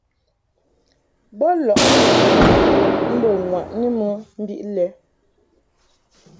Bo lɔʼ mbiʼni mbə ŋwaʼni mɨ mbiʼ lɛ.